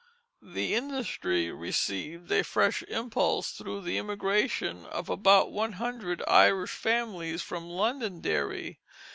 The industry received a fresh impulse through the immigration of about one hundred Irish families from Londonderry.